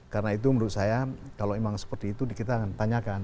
karena itu menurut saya kalau memang seperti itu kita akan tanyakan